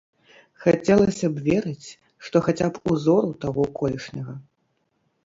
Хацелася б верыць, што хаця б узору таго колішняга.